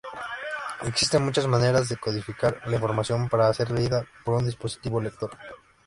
Existen muchas maneras de codificar la información para ser leída por un dispositivo lector.